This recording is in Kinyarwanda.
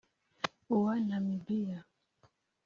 uwa Namibia